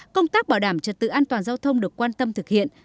công tác bảo đảm trật tự an toàn giao thông được quan tâm thực hiện